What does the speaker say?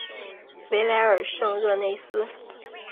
维莱尔圣热内斯。